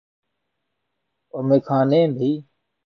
اور میخانے بھی۔